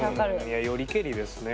いやよりけりですね